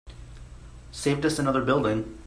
Saved us another building.